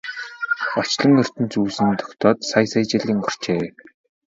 Орчлон ертөнц үүсэн тогтоод сая сая жил өнгөрчээ.